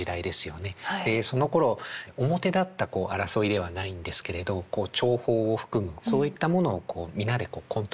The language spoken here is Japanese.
でそのころ表立った争いではないんですけれど情報を含むそういったものを皆でこうコントロールする。